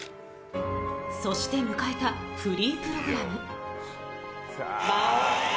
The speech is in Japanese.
そして迎えたフリープログラム。